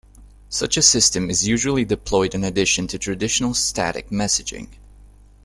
Such a system is usually deployed in addition to traditional static messaging.